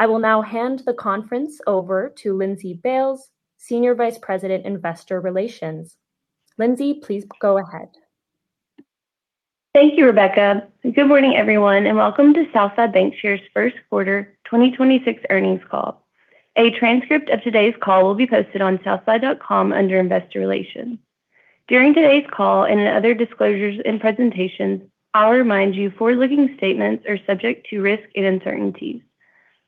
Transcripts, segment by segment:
I will now hand the conference over to Lindsey Bailes, Senior Vice President, Investor Relations. Lindsey, please go ahead. Thank you, Rebecca. Good morning, everyone, and welcome to Southside Bancshares, Inc. Q1 2026 Earnings Call. A transcript of today's call will be posted on southside.com under Investor Relations. During today's call and in other disclosures and presentations, I'll remind you forward-looking statements are subject to risk and uncertainties.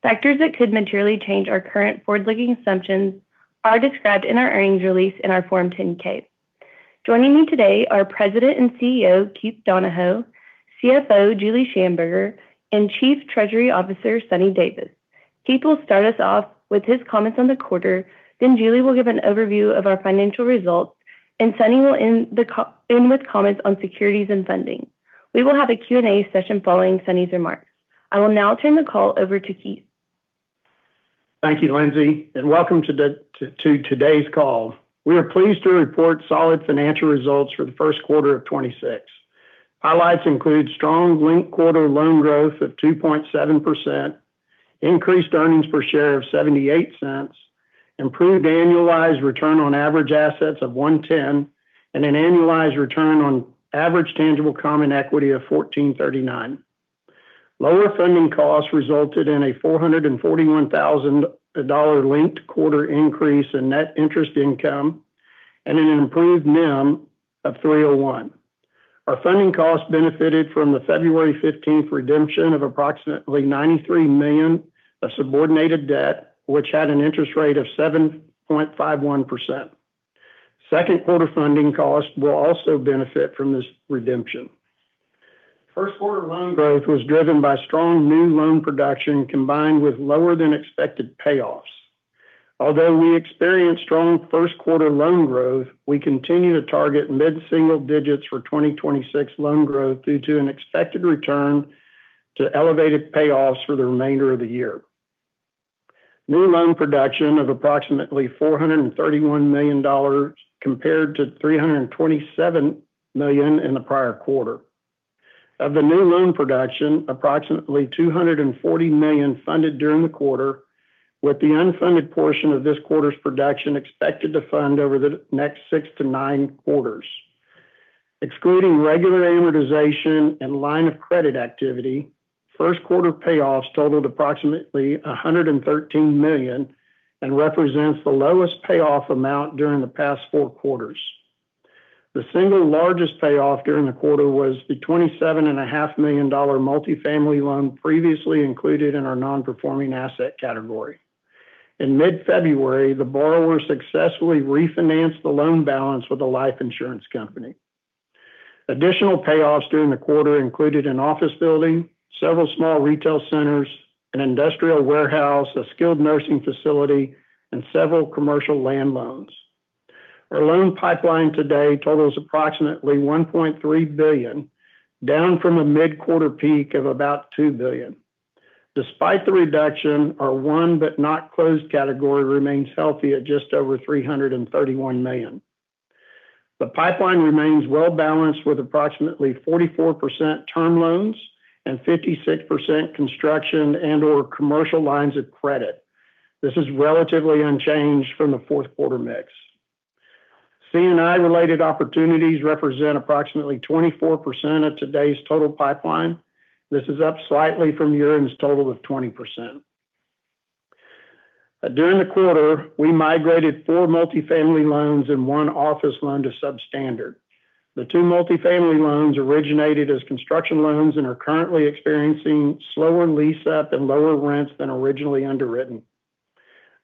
Factors that could materially change our current forward-looking assumptions are described in our earnings release in our Form 10-K. Joining me today are President and CEO, Keith Donahoe, CFO, Julie Shamburger, and Chief Treasury Officer, Suni Davis. Keith will start us off with his comments on the quarter, then Julie will give an overview of our financial results, and Suni will end with comments on securities and funding. We will have a Q&A session following Suni's remarks. I will now turn the call over to Keith. Thank you, Lindsey, and welcome to today's call. We are pleased to report solid financial results for the Q1 of 2026. Highlights include strong linked quarter loan growth of 2.7%, increased earnings per share of $0.78, improved annualized return on average assets of 1.10%, and an annualized return on average tangible common equity of 14.39%. Lower funding costs resulted in a $441,000 linked quarter increase in net interest income and an improved NIM of 3.01%. Our funding costs benefited from the February 15th redemption of approximately $93 million of subordinated debt, which had an interest rate of 7.51%. Q2 funding costs will also benefit from this redemption. Q1 loan growth was driven by strong new loan production combined with lower than expected payoffs. Although we experienced strong Q1 loan growth, we continue to target mid-single digits for 2026 loan growth due to an expected return to elevated payoffs for the remainder of the year. New loan production of approximately $431 million compared to $327 million in the prior quarter. Of the new loan production, approximately $240 million funded during the quarter, with the unfunded portion of this quarter's production expected to fund over the next six-nine quarters. Excluding regular amortization and line of credit activity, Q1 payoffs totaled approximately $113 million and represents the lowest payoff amount during the past four quarters. The single largest payoff during the quarter was the 27 and a half million dollar multifamily loan previously included in our non-performing asset category. In mid-February, the borrower successfully refinanced the loan balance with a life insurance company. Additional payoffs during the quarter included an office building, several small retail centers, an industrial warehouse, a skilled nursing facility, and several commercial land loans. Our loan pipeline today totals approximately $1.3 billion, down from a mid-quarter peak of about $2 billion. Despite the reduction, our one but not closed category remains healthy at just over $331 million. The pipeline remains well balanced with approximately 44% term loans and 56% construction and/or commercial lines of credit. This is relatively unchanged from the Q4 mix. C&I related opportunities represent approximately 24% of today's total pipeline. This is up slightly from year-ends total of 20%. During the quarter, we migrated four multifamily loans and 1 office loan to substandard. The two multifamily loans originated as construction loans and are currently experiencing slower lease up and lower rents than originally underwritten.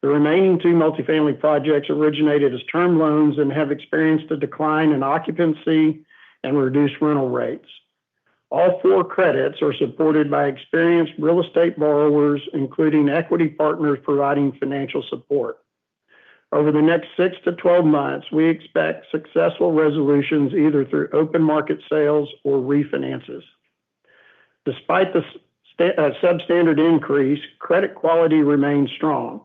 The remaining two multifamily projects originated as term loans and have experienced a decline in occupancy and reduced rental rates. All four credits are supported by experienced real estate borrowers, including equity partners providing financial support. Over the next six-12 months, we expect successful resolutions either through open market sales or refinances. Despite the substandard increase, credit quality remains strong.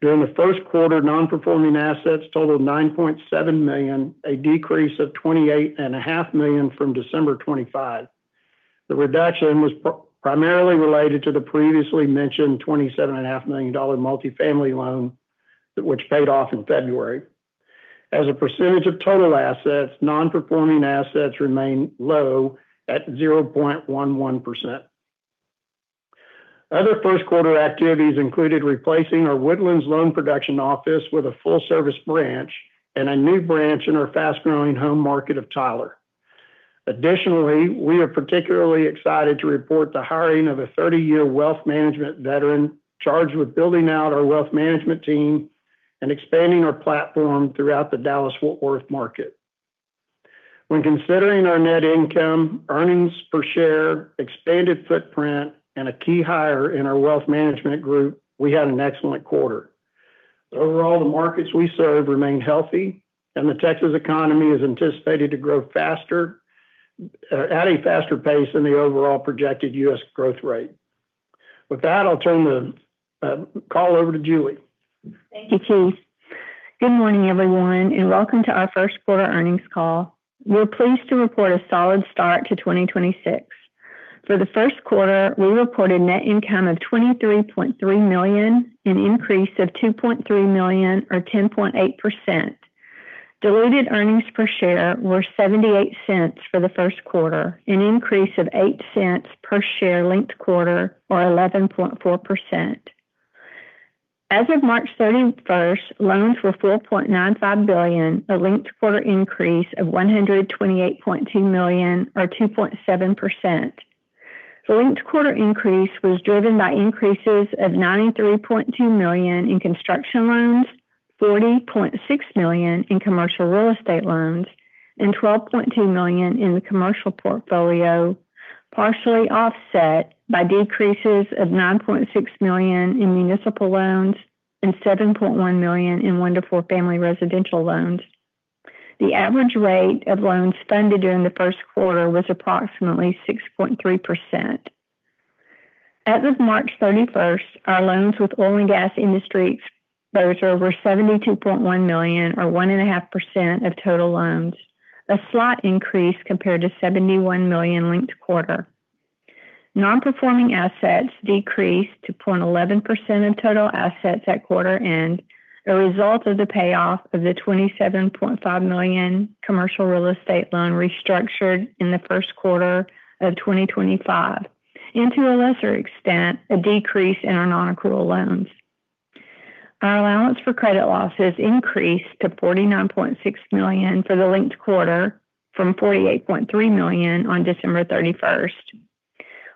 During the Q1, non-performing assets totaled $9.7 million, a decrease of $28.5 million from December 25. The reduction was primarily related to the previously mentioned $27.5 million multifamily loan, which paid off in February. As a percentage of total assets, non-performing assets remain low at 0.11%. Other Q1 activities included replacing our Woodlands loan production office with a full-service branch and a new branch in our fast-growing home market of Tyler. Additionally, we are particularly excited to report the hiring of a 30-year wealth management veteran charged with building out our wealth management team and expanding our platform throughout the Dallas-Fort Worth market. When considering our net income, earnings per share, expanded footprint, and a key hire in our wealth management group, we had an excellent quarter. Overall, the markets we serve remain healthy, and the Texas economy is anticipated to grow faster at a faster pace than the overall projected U.S. growth rate. With that, I'll turn the call over to Julie. Thank you, Keith. Good morning, everyone, and welcome to our Q1 earnings call. We're pleased to report a solid start to 2026. For the Q1, we reported net income of $23.3 million, an increase of $2.3 million or 10.8%. Diluted earnings per share were $0.78 for the Q1, an increase of $0.08 per share linked quarter or 11.4%. As of March 31st, loans were $4.95 billion, a linked quarter increase of $128.2 million or 2.7%. The linked quarter increase was driven by increases of $93.2 million in construction loans, $40.6 million in commercial real estate loans, and $12.2 million in the commercial portfolio, partially offset by decreases of $9.6 million in municipal loans and $7.1 million in one-to-four family residential loans. The average rate of loans funded during the Q1 was approximately 6.3%. As of March 31st, our loans with oil and gas industries were over $72.1 million or 1.5% of total loans, a slight increase compared to $71 million linked quarter. Non-performing assets decreased to 0.11% of total assets at quarter end, a result of the payoff of the $27.5 million commercial real estate loan restructured in the Q1 of 2025, and to a lesser extent, a decrease in our non-accrual loans. Our allowance for credit losses increased to $49.6 million for the linked quarter from $48.3 million on December 31st.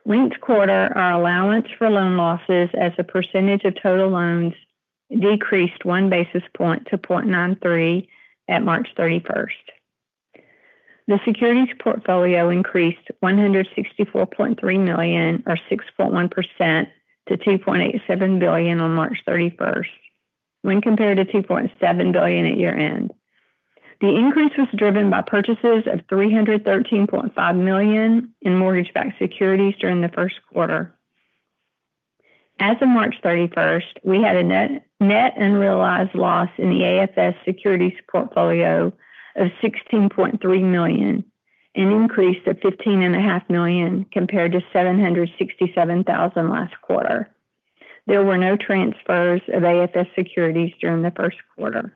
Linked quarter, our allowance for loan losses as a percentage of total loans decreased 1 basis point to 0.93% at March 31st. The securities portfolio increased $164.3 million or 6.1% to $2.87 billion on March 31st when compared to $2.7 billion at year-end. The increase was driven by purchases of $313.5 million in mortgage-backed securities during the Q1. As of March 31st, we had a net unrealized loss in the AFS securities portfolio of $16.3 million, an increase of fifteen and a half million compared to $767,000 last quarter. There were no transfers of AFS securities during the Q1.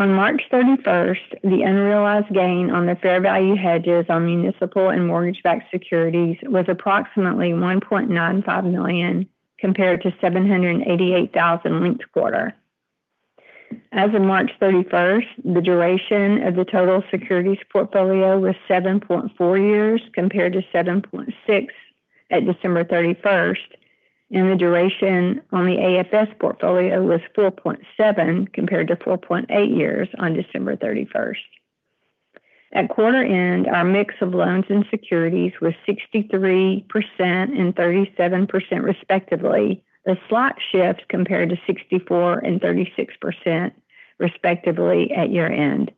On March 31st, the unrealized gain on the fair value hedges on municipal and mortgage-backed securities was approximately $1.95 million compared to $788,000 linked quarter. As of March 31st, the duration of the total securities portfolio was seven point four years compared to seven point six at December 31st, and the duration on the AFS portfolio was four point seven compared to four point eight years on December 31st. At quarter end, our mix of loans and securities was 63% and 37% respectively, a slight shift compared to 64% and 36% respectively at year-end.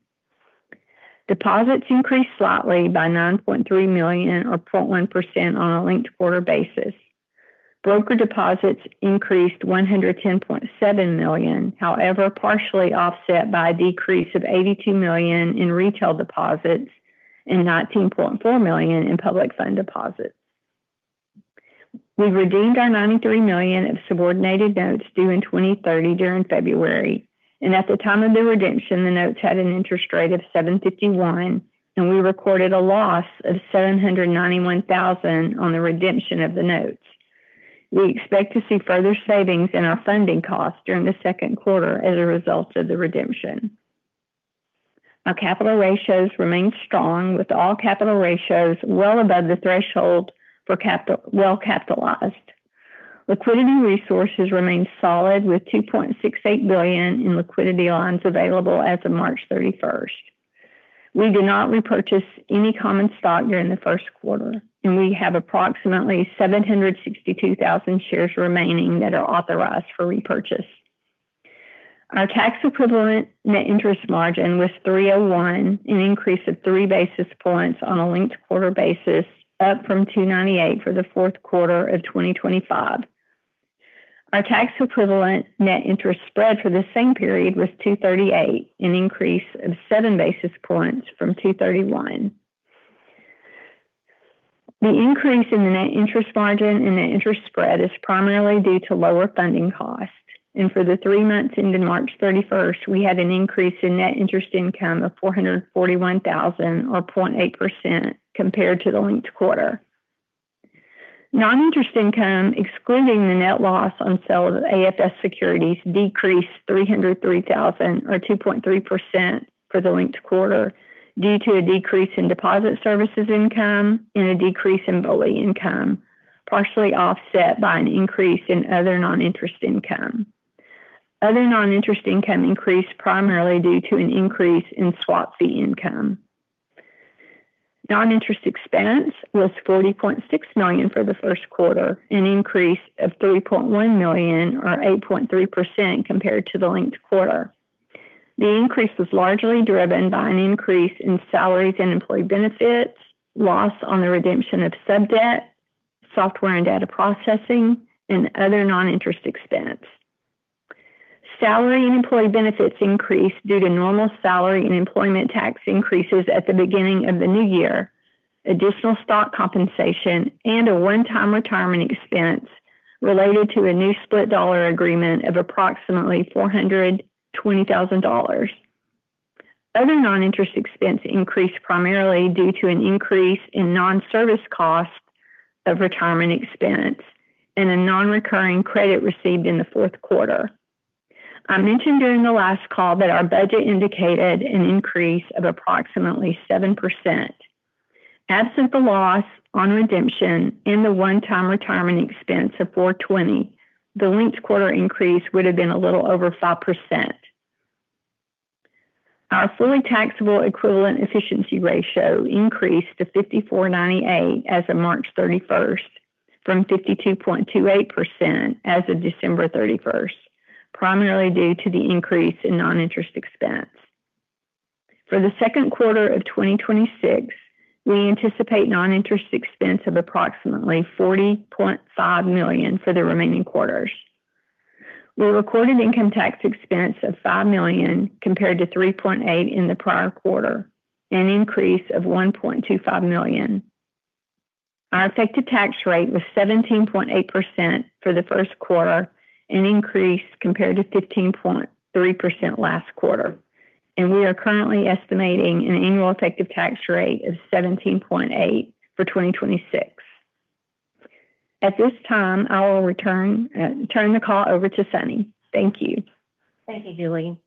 Deposits increased slightly by $9.3 million or 0.1% on a linked quarter basis. Broker deposits increased $110.7 million, however, partially offset by a decrease of $82 million in retail deposits and $19.4 million in public fund deposits. We redeemed our $93 million of subordinated notes due in 2030 during February, and at the time of the redemption, the notes had an interest rate of 7.51, and we recorded a loss of $791,000 on the redemption of the notes. We expect to see further savings in our funding costs during the Q2 as a result of the redemption. Our capital ratios remain strong with all capital ratios well above the threshold for well capitalized. Liquidity resources remain solid with $2.68 billion in liquidity lines available as of March 31st. We did not repurchase any common stock during the Q1, and we have approximately 762,000 shares remaining that are authorized for repurchase. Our tax-equivalent net interest margin was 3.01, an increase of 3 basis points on a linked-quarter basis, up from 2.98 for the Q4 of 2025. Our tax-equivalent net interest spread for the same period was 2.38, an increase of 7 basis points from 2.31. The increase in the net interest margin and the interest spread is primarily due to lower funding costs. For the three months ended March 31st, we had an increase in net interest income of $441 thousand or 0.8% compared to the linked quarter. Non-interest income, excluding the net loss on sale of AFS securities, decreased $303 thousand or 2.3% for the linked quarter due to a decrease in deposit services income and a decrease in brokerage services income, partially offset by an increase in other non-interest income. Other non-interest income increased primarily due to an increase in swap fee income. Non-interest expense was $40.6 million for the Q1, an increase of $3.1 million or 8.3% compared to the linked quarter. The increase was largely driven by an increase in salaries and employee benefits, loss on the redemption of sub-debt, software and data processing, and other non-interest expense. Salary and employee benefits increased due to normal salary and employment tax increases at the beginning of the new year, additional stock compensation and a one-time retirement expense related to a new split dollar agreement of approximately $420,000. Other non-interest expense increased primarily due to an increase in non-service costs of retirement expense and a non-recurring credit received in the Q4. I mentioned during the last call that our budget indicated an increase of approximately 7%. Absent the loss on redemption and the one-time retirement expense of $420,000, the linked quarter increase would have been a little over 5%. Our fully taxable equivalent efficiency ratio increased to 54.98% as of March 31st from 52.28% as of December 31st, primarily due to the increase in non-interest expense. For the Q2 of 2026, we anticipate non-interest expense of approximately $40.5 million for the remaining quarters. We recorded income tax expense of $5 million compared to $3.8 million in the prior quarter, an increase of $1.25 million. Our effective tax rate was 17.8% for the Q1, an increase compared to 15.3% last quarter, and we are currently estimating an annual effective tax rate of 17.8% for 2026. At this time, I will return, turn the call over to Suni. Thank you. Thank you, Julie.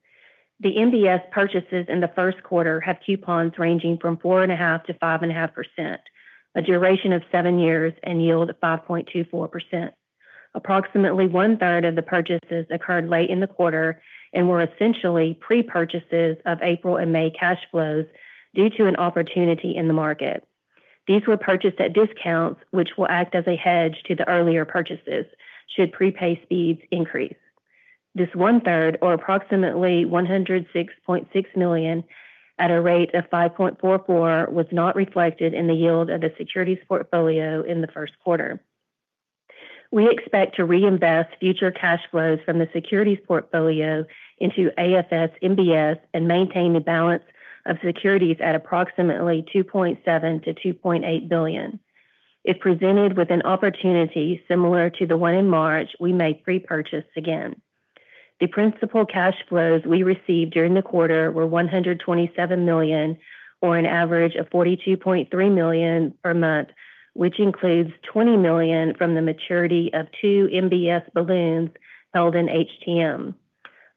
The MBS purchases in the Q1 have coupons ranging from 4.5% to 5.5%, a duration of seven years and yield of 5.24%. Approximately one-third of the purchases occurred late in the quarter and were essentially pre-purchases of April and May cash flows due to an opportunity in the market. These were purchased at discounts, which will act as a hedge to the earlier purchases should prepay speeds increase. This one-third, or approximately $106.6 million at a rate of 5.44%, was not reflected in the yield of the securities portfolio in the Q1. We expect to reinvest future cash flows from the securities portfolio into AFS MBS and maintain the balance of securities at approximately $2.7 billion-$2.8 billion. If presented with an opportunity similar to the one in March, we may pre-purchase again. The principal cash flows we received during the quarter were $127 million or an average of $42.3 million per month, which includes $20 million from the maturity of two MBS balloons held in HTM.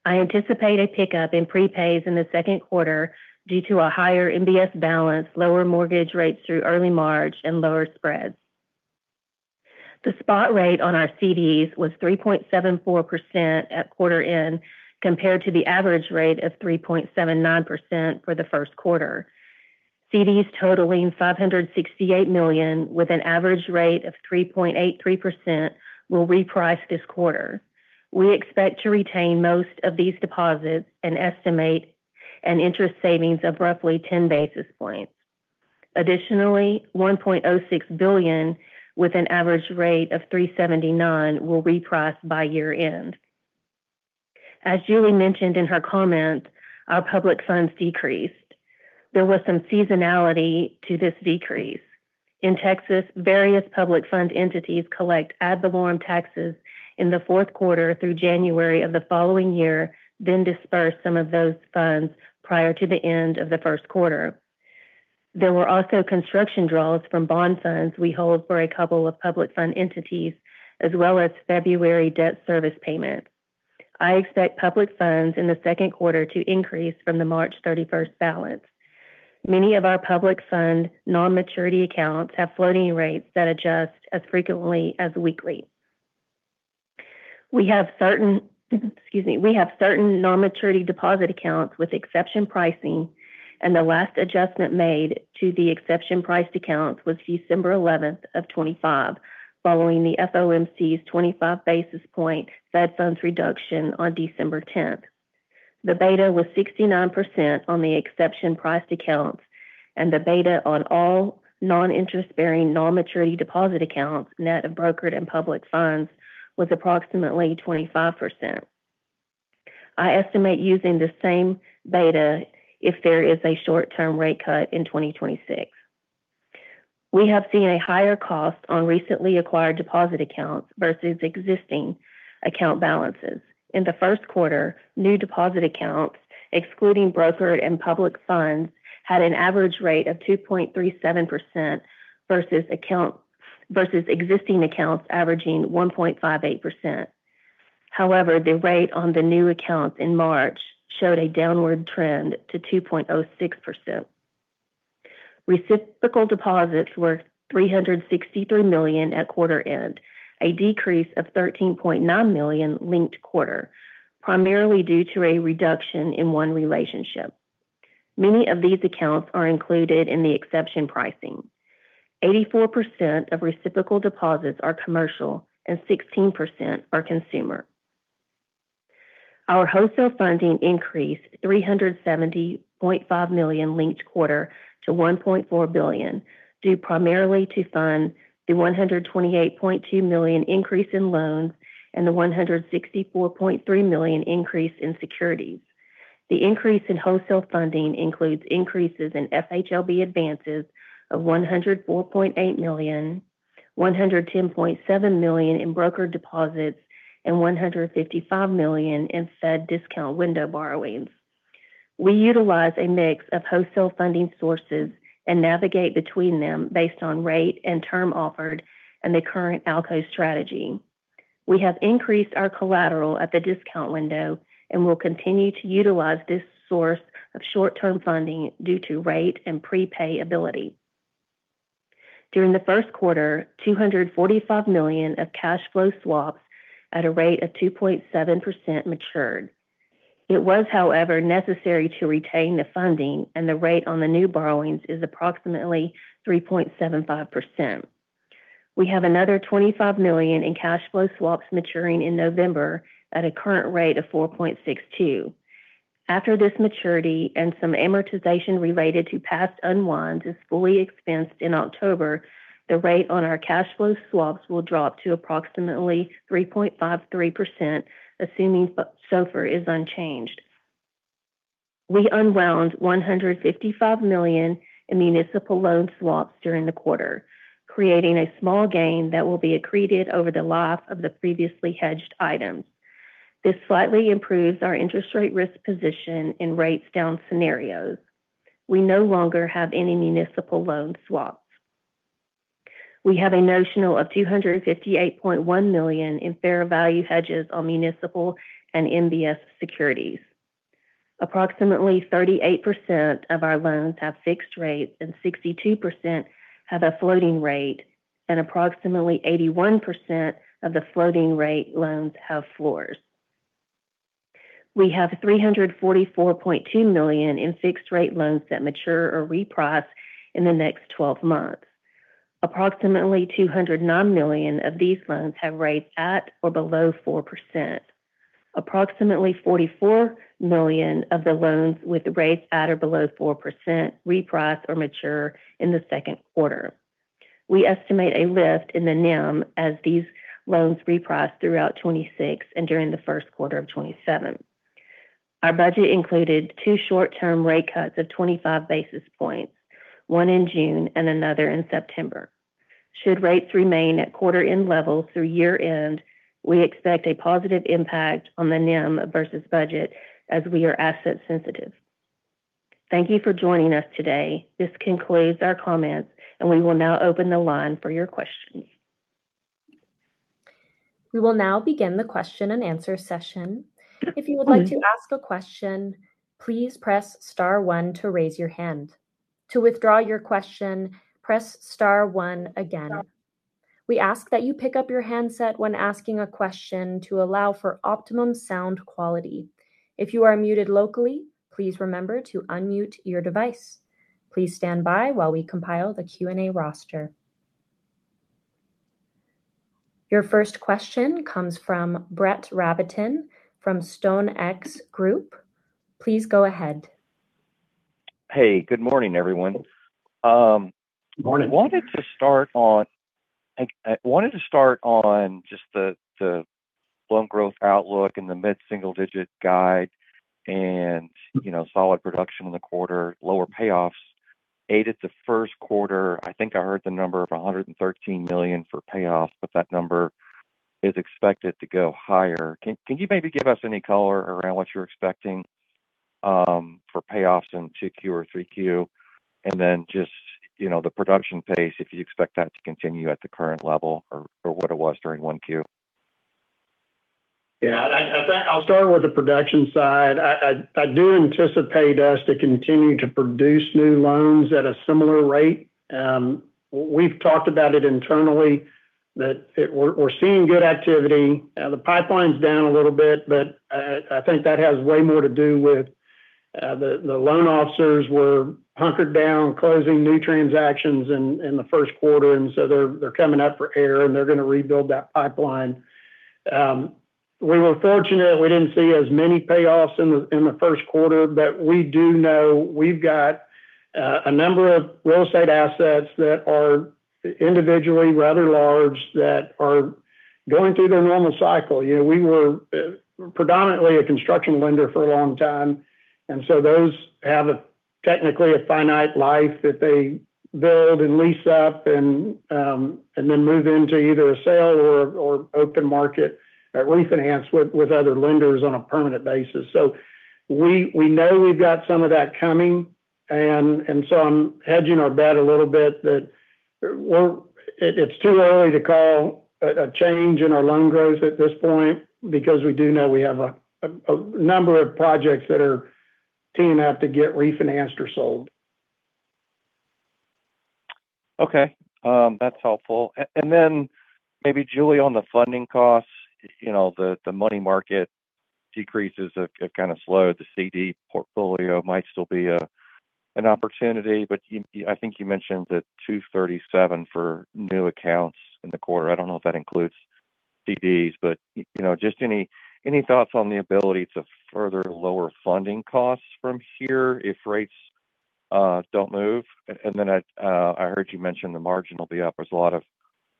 I anticipate a pickup in prepays in the Q2 due to a higher MBS balance, lower mortgage rates through early March, and lower spreads. The spot rate on our CDs was 3.74% at quarter end compared to the average rate of 3.79% for the Q1. CDs totaling $568 million with an average rate of 3.83% will reprice this quarter. We expect to retain most of these deposits and estimate an interest savings of roughly 10 basis points. Additionally, $1.06 billion with an average rate of 3.79 will reprice by year-end. As Julie mentioned in her comments, our public funds decreased. There was some seasonality to this decrease. In Texas, various public fund entities collect ad valorem taxes in the Q4 through January of the following year, then disperse some of those funds prior to the end of the Q1. There were also construction draws from bond funds we hold for a couple of public fund entities, as well as February debt service payment. I expect public funds in the Q2 to increase from the March 31st balance. Many of our public fund non-maturity accounts have floating rates that adjust as frequently as weekly. We have certain excuse me. We have certain non-maturity deposit accounts with exception pricing. The last adjustment made to the exception priced accounts was 12/11/2025, following the FOMC's 25 basis point Fed funds reduction on 12/10/2025. The beta was 69% on the exception priced accounts, and the beta on all non-interest-bearing non-maturity deposit accounts, net of brokered and public funds, was approximately 25%. I estimate using the same beta if there is a short-term rate cut in 2026. We have seen a higher cost on recently acquired deposit accounts versus existing account balances. In the Q1, new deposit accounts, excluding brokered and public funds, had an average rate of 2.37% versus existing accounts averaging 1.58%. However, the rate on the new accounts in March showed a downward trend to 2.06%. Reciprocal deposits were $363 million at quarter end, a decrease of $13.9 million linked quarter, primarily due to a reduction in one relationship. Many of these accounts are included in the exception pricing. 84% of reciprocal deposits are commercial and 16% are consumer. Our wholesale funding increased $370.5 million linked quarter to $1.4 billion, due primarily to fund the $128.2 million increase in loans and the $164.3 million increase in securities. The increase in wholesale funding includes increases in FHLB advances of $104.8 million, $110.7 million in broker deposits, and $155 million in Fed discount window borrowings. We utilize a mix of wholesale funding sources and navigate between them based on rate and term offered and the current ALCO strategy. We have increased our collateral at the discount window and will continue to utilize this source of short-term funding due to rate and prepay ability. During the first quarter, $245 million of cash flow swaps at a rate of 2.7% matured. It was, however, necessary to retain the funding, and the rate on the new borrowings is approximately 3.75%. We have another $25 million in cash flow swaps maturing in November at a current rate of 4.62%. After this maturity and some amortization related to past unwinds is fully expensed in October, the rate on our cash flow swaps will drop to approximately 3.53%, assuming SOFR is unchanged. We unwound $155 million in municipal loan swaps during the quarter, creating a small gain that will be accreted over the life of the previously hedged items. This slightly improves our interest rate risk position in rates down scenarios. We no longer have any municipal loan swaps. We have a notional of $258.1 million in fair value hedges on municipal and MBS securities. Approximately 38% of our loans have fixed rates and 62% have a floating rate, and approximately 81% of the floating rate loans have floors. We have $344.2 million in fixed rate loans that mature or reprice in the next 12 months. Approximately $209 million of these loans have rates at or below 4%. Approximately $44 million of the loans with rates at or below 4% reprice or mature in the Q2. We estimate a lift in the NIM as these loans reprice throughout 2026 and during the Q1 of 2027. Our budget included two short-term rate cuts of 25 basis points, one in June and another in September. Should rates remain at quarter end levels through year end, we expect a positive impact on the NIM versus budget as we are asset sensitive. Thank you for joining us today. This concludes our comments. We will now open the line for your questions. Your first question comes from Brett Rabatin from StoneX Group. Please go ahead. Hey, good morning, everyone. Morning. I wanted to start on just the loan growth outlook and the mid-single-digit guide and, you know, solid production in the quarter, lower payoffs. Eight at the 1Q, I think I heard the number of $113 million for payoffs, but that number is expected to go higher. Can you maybe give us any color around what you're expecting for payoffs in 2Q or 3Q? Just, you know, the production pace, if you expect that to continue at the current level or what it was during 1Q. Yeah. I'll start with the production side. I do anticipate us to continue to produce new loans at a similar rate. We've talked about it internally that we're seeing good activity. The pipeline's down a little bit, but I think that has way more to do with the loan officers were hunkered down closing new transactions in the Q1. They're coming up for air, and they're gonna rebuild that pipeline. We were fortunate we didn't see as many payoffs in the Q1. We do know we've got a number of real estate assets that are individually rather large that are going through their normal cycle. You know, we were predominantly a construction lender for a long time. Those have a technically a finite life that they build and lease up and then move into either a sale or open market, a lease enhance with other lenders on a permanent basis. We know we've got some of that coming. I'm hedging our bet a little bit that it's too early to call a change in our loan growth at this point because we do know we have a number of projects that are teeing up to get refinanced or sold. That's helpful. And then maybe Julie on the funding costs. You know, the money market decreases have kind of slowed. The CD portfolio might still be an opportunity. I think you mentioned the $2.37 for new accounts in the quarter. I don't know if that includes CDs. You know, just any thoughts on the ability to further lower funding costs from here if rates don't move? At, I heard you mention the margin will be up. There's a lot of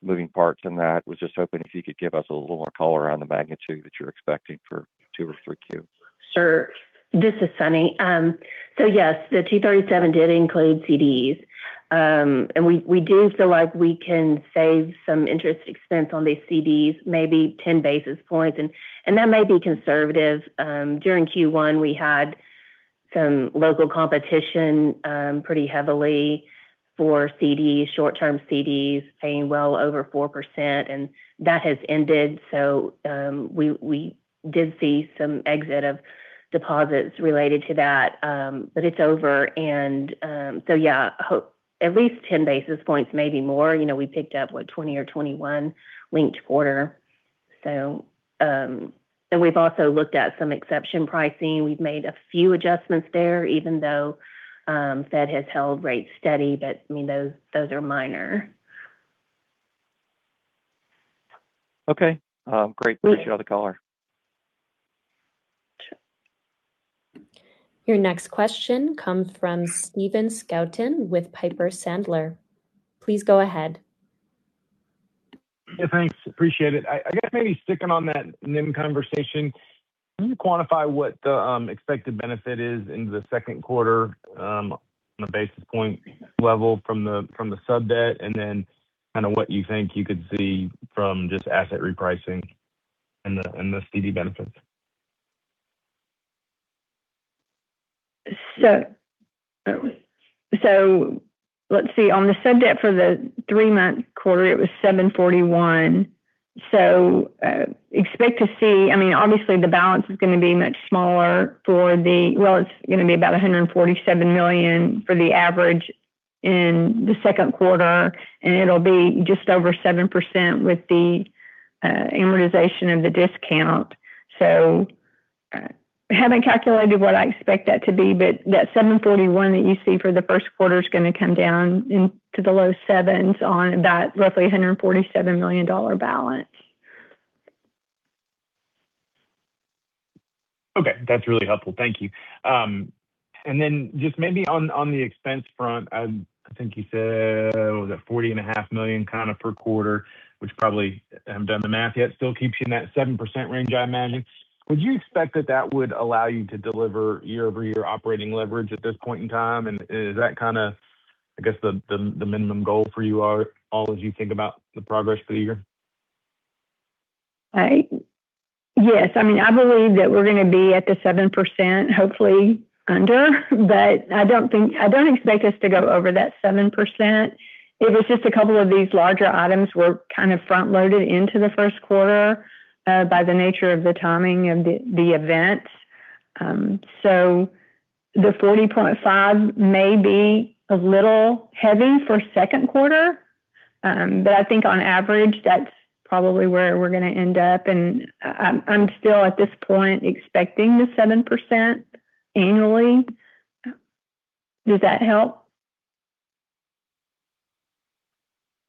moving parts in that. Was just hoping if you could give us a little more color on the magnitude that you're expecting for 2Q or 3Q. Sure. This is Suni. Yes, the 237 did include CDs. And we do feel like we can save some interest expense on these CDs, maybe 10 basis points and that may be conservative. During Q1 we had some local competition, pretty heavily for CDs, short-term CDs paying well over 4% and that has ended. We did see some exit of deposits related to that. It's over and, so yeah, hope at least 10 basis points, maybe more. You know, we picked up what? 20 or 21 linked quarter. We've also looked at some exception pricing. We've made a few adjustments there even though Fed has held rates steady. I mean, those are minor. Okay. Great. Appreciate all the color. Sure. Your next question comes from Stephen Scouten with Piper Sandler. Please go ahead. Yeah, thanks. Appreciate it. I guess maybe sticking on that NIM conversation, can you quantify what the expected benefit is into the Q2 on a basis point level from the sub-debt? Then kind of what you think you could see from just asset repricing and the CD benefits. Let's see. On the sub-debt for the three-month quarter it was $7.41. I mean, obviously the balance is gonna be much smaller. Well, it's gonna be about $147 million for the average in the Q2. It'll be just over 7% with the amortization of the discount. Haven't calculated what I expect that to be, but that $7.41 that you see for the Q1 is gonna come down into the low 7s on that roughly $147 million balance. Okay. That's really helpful. Thank you. Then just maybe on the expense front, I think you said it was at forty and a half million kind of per quarter, which probably, haven't done the math yet, still keeps you in that 7% range, I imagine. Would you expect that that would allow you to deliver year-over-year operating leverage at this point in time? Is that kinda, I guess, the minimum goal for you all as you think about the progress for the year? Yes. I mean, I believe that we're gonna be at the 7%, hopefully under. I don't expect us to go over that 7%. It was just a couple of these larger items were kind of front-loaded into the Q1 by the nature of the timing of the event. The $40.5 may be a little heavy for Q2. I think on average that's probably where we're gonna end up. I'm still at this point expecting the 7% annually. Does that help?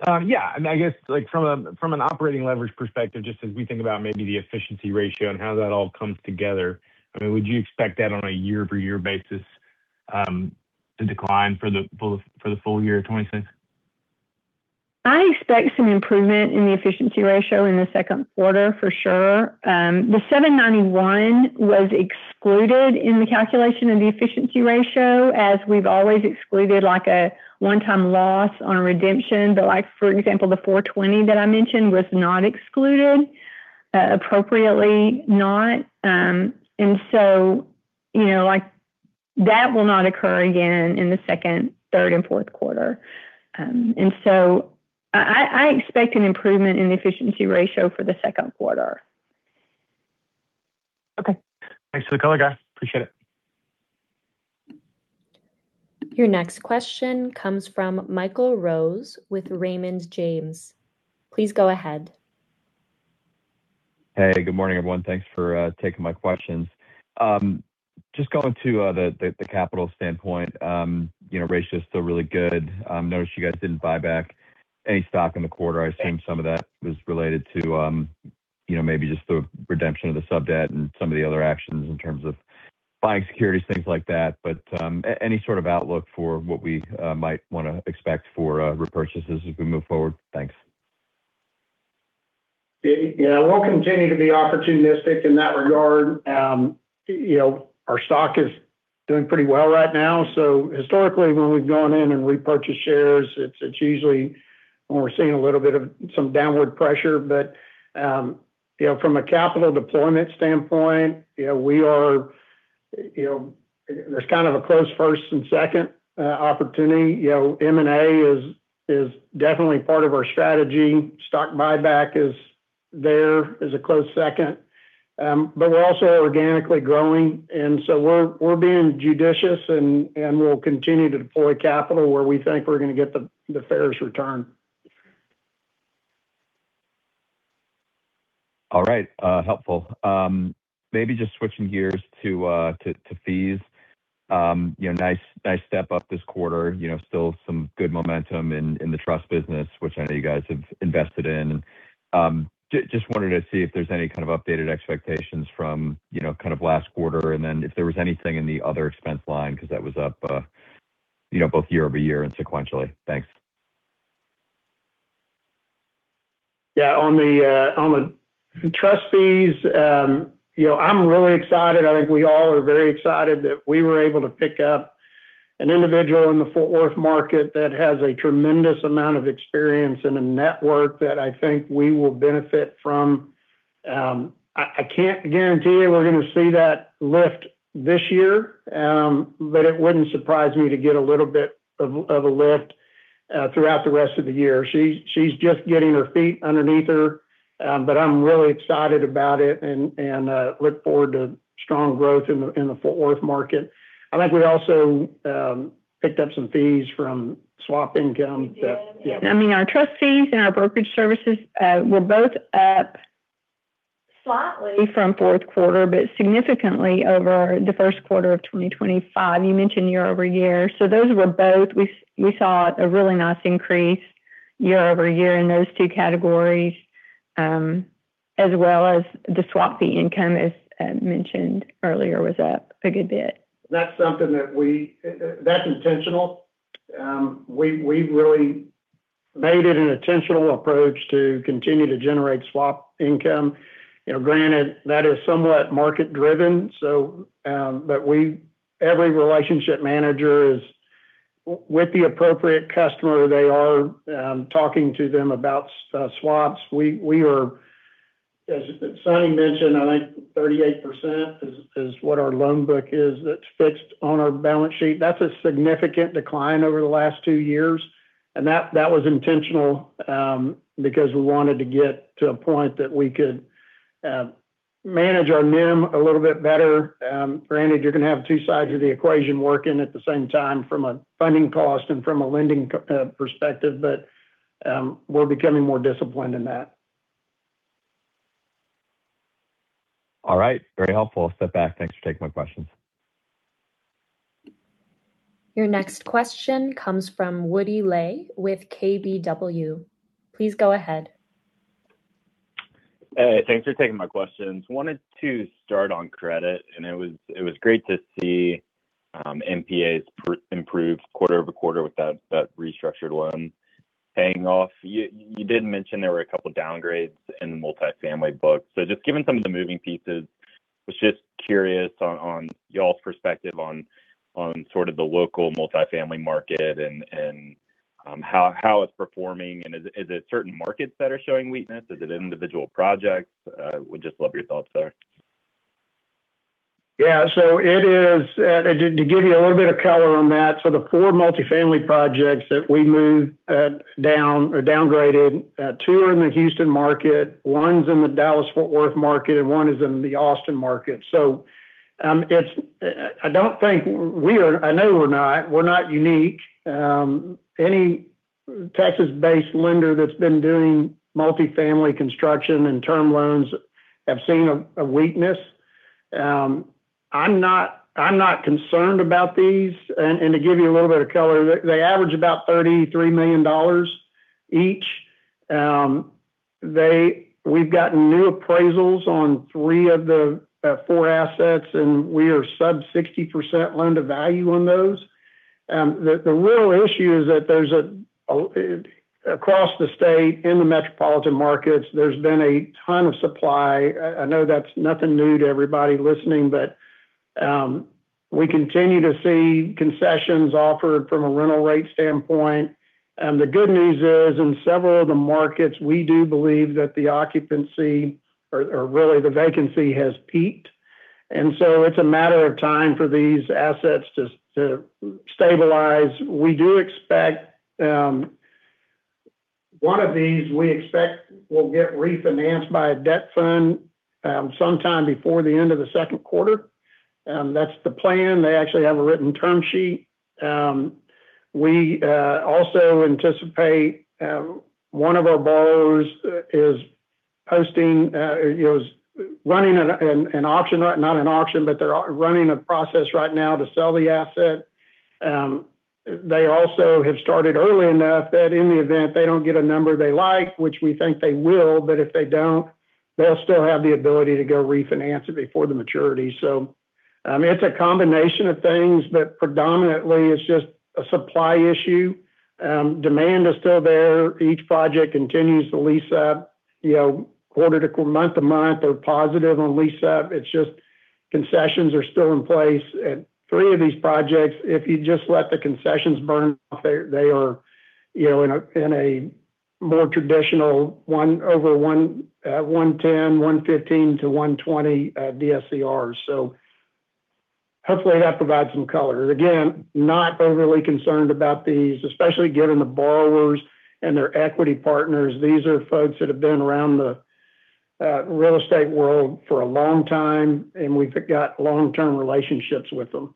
Yeah. I mean, I guess like from a, from an operating leverage perspective, just as we think about maybe the efficiency ratio and how that all comes together. I mean, would you expect that on a year-over-year basis to decline for the full year of 2026? I expect some improvement in the efficiency ratio in the Q2 for sure. The 791 was excluded in the calculation of the efficiency ratio, as we've always excluded like a one-time loss on redemption. Like for example, the 420 that I mentioned was not excluded, appropriately not. You know, like that will not occur again in the second, third, and Q4. I expect an improvement in the efficiency ratio for the Q2. Okay. Thanks for the color, guys. Appreciate it. Your next question comes from Michael Rose with Raymond James. Please go ahead. Hey, good morning, everyone. Thanks for taking my questions. Just going to the capital standpoint. You know, ratio is still really good. Noticed you guys didn't buy back any stock in the quarter. I assume some of that was related to, you know, maybe just the redemption of the sub-debt and some of the other actions in terms of buying securities, things like that. Any sort of outlook for what we might wanna expect for repurchases as we move forward? Thanks. Yeah, we'll continue to be opportunistic in that regard. You know, our stock is doing pretty well right now. Historically, when we've gone in and repurchased shares, it's usually when we're seeing a little bit of some downward pressure. You know, from a capital deployment standpoint, we are, there's kind of a close first and second opportunity. You know, M&A is definitely part of our strategy. Stock buyback there is a close second. We're also organically growing. We're being judicious and we'll continue to deploy capital where we think we're going to get the fairest return. All right. Helpful. Maybe just switching gears to fees. You know, nice step up this quarter, you know, still some good momentum in the trust business, which I know you guys have invested in. Just wanted to see if there's any kind of updated expectations from, you know, kind of last quarter, and then if there was anything in the other expense line, because that was up, you know, both year-over-year and sequentially. Thanks. Yeah. On the trust fees, you know, I'm really excited. I think we all are very excited that we were able to pick up an individual in the Fort Worth market that has a tremendous amount of experience and a network that I think we will benefit from. I can't guarantee we're going to see that lift this year, but it wouldn't surprise me to get a little bit of a lift throughout the rest of the year. She's just getting her feet underneath her, but I'm really excited about it and look forward to strong growth in the Fort Worth market. I think we also picked up some fees from swap income that... Yeah. I mean, our trust fees and our brokerage services were both up slightly from Q4, but significantly over the Q1 of 2025. You mentioned year-over-year. Those were both. We saw a really nice increase year-over-year in those two categories, as well as the swap fee income, as mentioned earlier, was up a good bit. That's something that's intentional. We've really made it an intentional approach to continue to generate swap income. You know, granted, that is somewhat market driven, but every relationship manager is with the appropriate customer, they are talking to them about swaps. We are, as Suni mentioned, I think 38% is what our loan book is that's fixed on our balance sheet. That's a significant decline over the last 2 years, and that was intentional, because we wanted to get to a point that we could manage our NIM a little bit better. Granted, you're going to have 2 sides of the equation working at the same time from a funding cost and from a lending perspective, but we're becoming more disciplined in that. All right. Very helpful. I'll step back. Thanks for taking my questions. Your next question comes from Woody Lay with KBW. Please go ahead. Hey, thanks for taking my questions. I wanted to start on credit, and it was great to see NPAs improved quarter-over-quarter with that restructured loan paying off. You did mention there were a couple downgrades in the multifamily book. Just given some of the moving pieces, I was just curious on y'all's perspective on sort of the local multifamily market and how it's performing. Is it certain markets that are showing weakness? Is it individual projects? Would just love your thoughts there. Yeah. It is to give you a little bit of color on that, so the four multifamily projects that we moved down or downgraded, two are in the Houston market, one's in the Dallas-Fort Worth market, and one is in the Austin market. It's I know we're not. We're not unique. Any Texas-based lender that's been doing multifamily construction and term loans have seen a weakness. I'm not concerned about these. To give you a little bit of color, they average about $33 million each. We've gotten new appraisals on three of the four assets, and we are sub 60% loan to value on those. The real issue is that across the state in the metropolitan markets, there's been a ton of supply. I know that's nothing new to everybody listening, but we continue to see concessions offered from a rental rate standpoint. The good news is, in several of the markets, we do believe that the occupancy or really the vacancy has peaked. It's a matter of time for these assets to stabilize. We do expect one of these, we expect will get refinanced by a debt fund sometime before the end of the Q2. That's the plan. They actually have a written term sheet. We also anticipate one of our borrowers is running an auction, not an auction, but they're running a process right now to sell the asset. They also have started early enough that in the event they don't get a number they like, which we think they will, but if they don't, they'll still have the ability to go refinance it before the maturity. It's a combination of things, but predominantly it's just a supply issue. Demand is still there. Each project continues to lease up month to month. They're positive on lease up. It's just concessions are still in place. At three of these projects, if you just let the concessions burn off, they are, you know, in a more traditional 1/1, 110, 115-120 DSCRs. Hopefully that provides some color. Again, not overly concerned about these, especially given the borrowers and their equity partners. These are folks that have been around the real estate world for a long time, and we've got long-term relationships with them.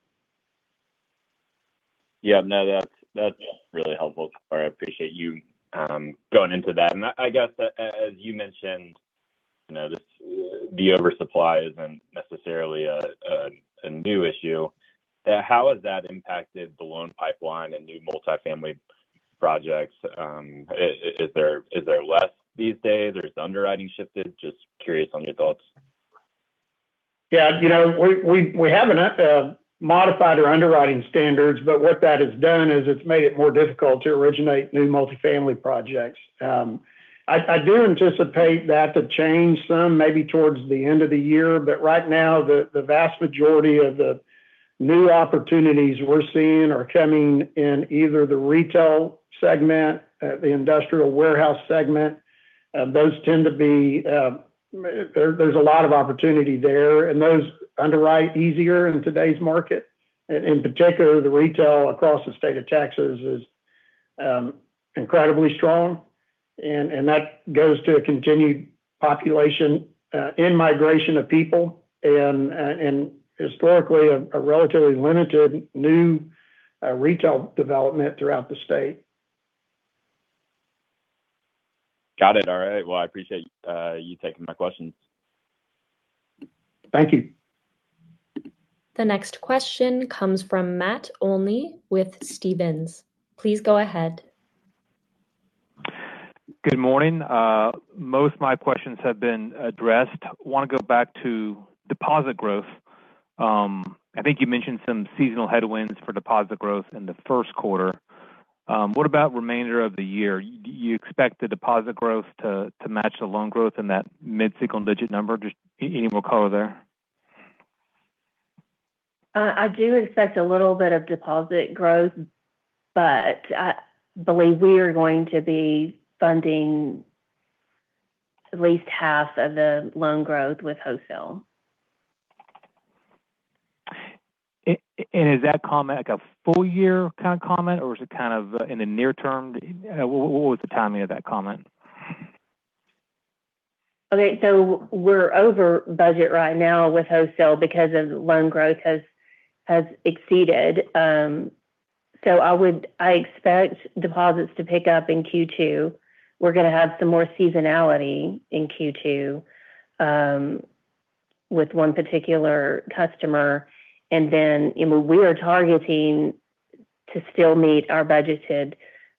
Yeah. No, that's really helpful. I appreciate you going into that. I guess as you mentioned, you know, this, the oversupply isn't necessarily a new issue. How has that impacted the loan pipeline and new multifamily projects? Is there less these days? Or has underwriting shifted? Just curious on your thoughts. Yeah, you know, we haven't modified our underwriting standards, but what that has done is it's made it more difficult to originate new multifamily projects. I do anticipate that to change some maybe towards the end of the year. Right now, the vast majority of the new opportunities we're seeing are coming in either the retail segment, the industrial warehouse segment. Those tend to be. There's a lot of opportunity there, and those underwrite easier in today's market. In particular, the retail across the state of Texas is incredibly strong and that goes to a continued population in migration of people and historically a relatively limited new retail development throughout the state. Got it. All right. I appreciate you taking my questions. Thank you. The next question comes from Matt Olney with Stephens. Please go ahead. Good morning. Most of my questions have been addressed. I want to go back to deposit growth. I think you mentioned some seasonal headwinds for deposit growth in the Q1. What about remainder of the year? Do you expect the deposit growth to match the loan growth in that mid-single-digit number? Just any more color there? I do expect a little bit of deposit growth, but I believe we are going to be funding at least half of the loan growth with wholesale. Is that comment like a full year kind of comment, or is it kind of in the near term? What was the timing of that comment? Okay. We're over budget right now with wholesale because of loan growth has exceeded. I expect deposits to pick up in Q2. We're gonna have some more seasonality in Q2 with one particular customer. You know, we are targeting to still meet our budgeted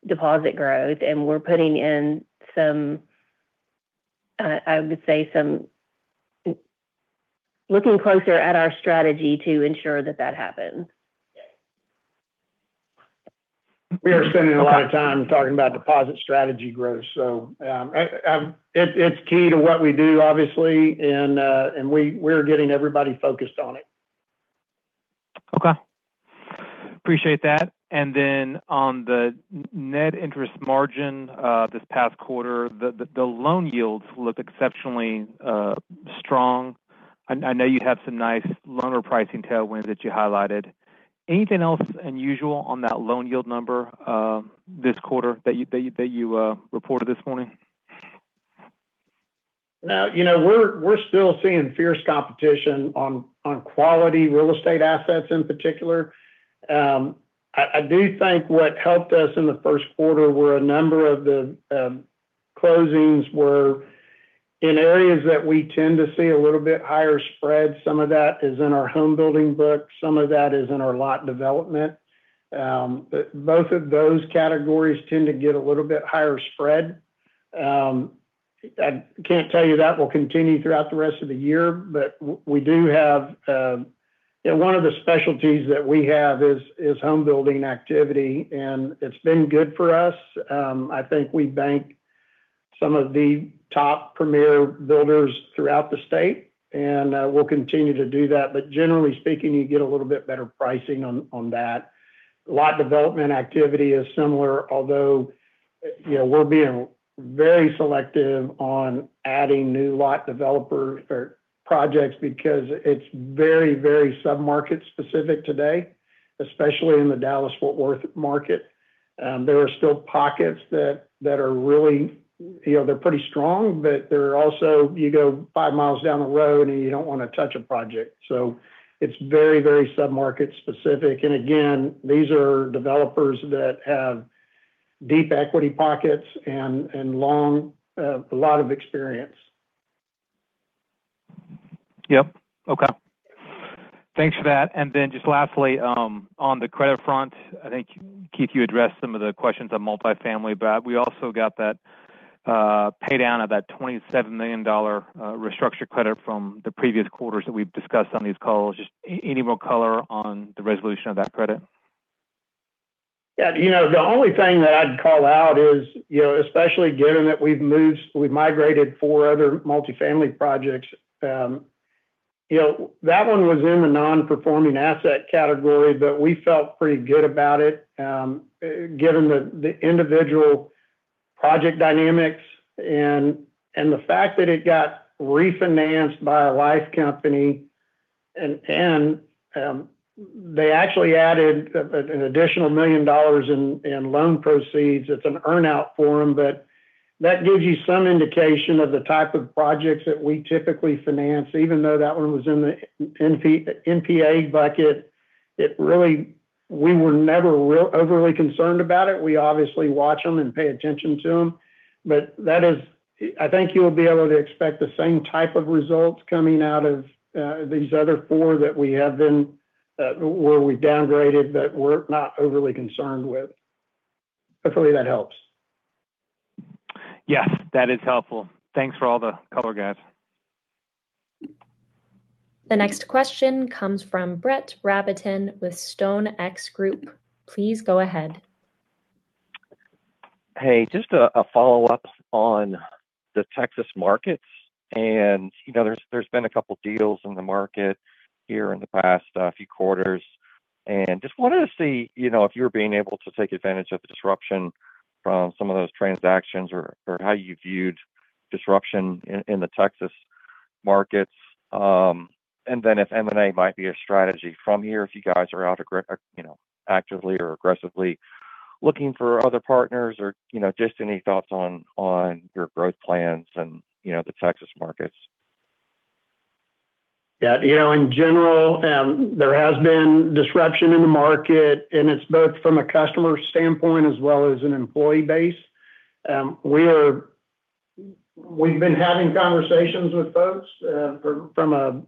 deposit growth, and we're putting in some, I would say some looking closer at our strategy to ensure that that happens. We are spending a lot of time talking about deposit strategy growth. It's key to what we do, obviously, and we're getting everybody focused on it. Okay. Appreciate that. Then on the net interest margin, this past quarter, the loan yields look exceptionally strong. I know you have some nice loan pricing tailwinds that you highlighted. Anything else unusual on that loan yield number this quarter that you reported this morning? No. You know, we're still seeing fierce competition on quality real estate assets in particular. I do think what helped us in the Q1 were a number of the closings were in areas that we tend to see a little bit higher spread. Some of that is in our home building book, some of that is in our lot development. Both of those categories tend to get a little bit higher spread. I can't tell you that will continue throughout the rest of the year. You know, one of the specialties that we have is home building activity, and it's been good for us. I think we bank some of the top premier builders throughout the state. We'll continue to do that. Generally speaking, you get a little bit better pricing on that. Lot development activity is similar, although, you know, we're being very selective on adding new lot developers or projects because it's very, very sub-market specific today, especially in the Dallas-Fort Worth market. There are still pockets that are really, you know, they're pretty strong, but they're also, you go five miles down the road and you don't want to touch a project. It's very, very sub-market specific. Again, these are developers that have deep equity pockets and long a lot of experience. Yep. Okay. Thanks for that. Just lastly, on the credit front, I think, Keith, you addressed some of the questions on multifamily, but we also got that pay down of that $27 million restructure credit from the previous quarters that we've discussed on these calls. Just any more color on the resolution of that credit? Yeah. You know, the only thing that I'd call out is, you know, especially given that we've migrated 4 other multifamily projects, you know, that one was in the non-performing asset category, but we felt pretty good about it, given the individual project dynamics and the fact that it got refinanced by a life company and, they actually added an additional $1 million in loan proceeds. It's an earn-out for them, but that gives you some indication of the type of projects that we typically finance even though that one was in the NPA bucket. We were never overly concerned about it. We obviously watch them and pay attention to them. I think you'll be able to expect the same type of results coming out of these other four that we have been where we downgraded that we're not overly concerned with. Hopefully that helps. Yes, that is helpful. Thanks for all the color guys. The next question comes from Brett Rabatin with StoneX Group. Please go ahead. Hey, just a follow-up on the Texas markets. You know, there's been a couple deals in the market here in the past few quarters. Just wanted to see, you know, if you were being able to take advantage of the disruption from some of those transactions or how you viewed disruption in the Texas markets. If M&A might be a strategy from here if you guys are out, you know, actively or aggressively looking for other partners or, you know, just any thoughts on your growth plans and, you know, the Texas markets. Yeah. You know, in general, there has been disruption in the market, and it's both from a customer standpoint as well as an employee base. We've been having conversations with folks from a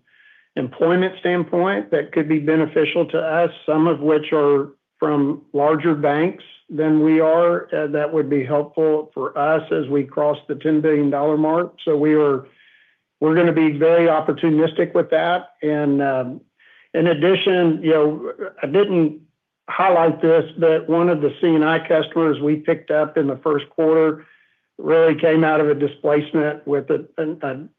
employment standpoint that could be beneficial to us, some of which are from larger banks than we are, that would be helpful for us as we cross the $10 billion mark. We're gonna be very opportunistic with that. In addition, you know, I didn't highlight this, but one of the C&I customers we picked up in the Q1 really came out of a displacement with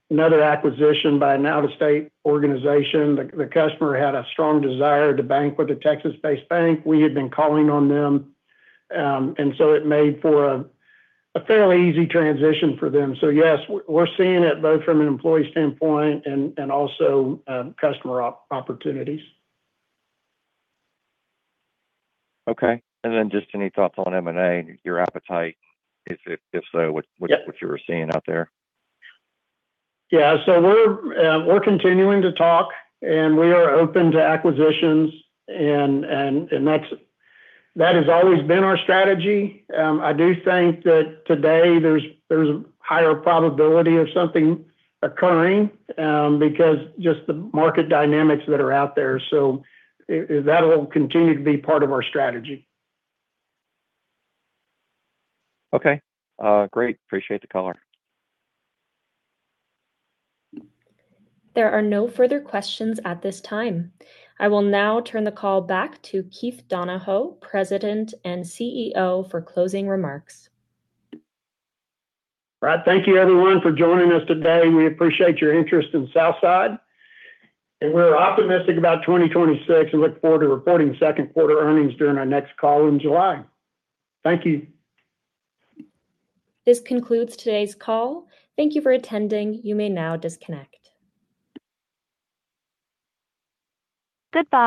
another acquisition by an out-of-state organization. The customer had a strong desire to bank with a Texas-based bank. We had been calling on them. It made for a fairly easy transition for them. Yes, we're seeing it both from an employee standpoint and also customer opportunities. Okay. Just any thoughts on M&A, your appetite, if so? Yeah what you're seeing out there? We're continuing to talk, and we are open to acquisitions and that has always been our strategy. I do think that today there's higher probability of something occurring because just the market dynamics that are out there. That'll continue to be part of our strategy. Okay. Great. Appreciate the color. There are no further questions at this time. I will now turn the call back to Keith Donahoe, President and CEO for closing remarks. All right. Thank you everyone for joining us today. We appreciate your interest in Southside, and we're optimistic about 2026 and look forward to reporting Q2 earnings during our next call in July. Thank you. This concludes today's call. Thank you for attending. You may now disconnect. Goodbye.